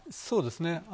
そうですね。